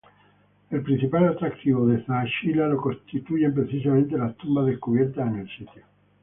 El principal atractivo de Zaachila lo constituyen precisamente las tumbas descubiertas en el sitio.